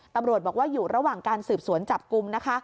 ตำรวจบอกว่าอยู่ระหว่างการสืบสวนจับกลุ่มนะคะ